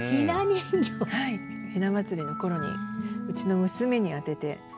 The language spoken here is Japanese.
ひな祭りの頃にうちの娘に宛てて。